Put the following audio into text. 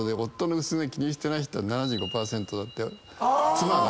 妻が。